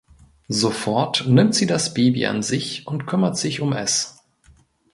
Sofort nimmt sie das Baby an sich und kümmert sich um es.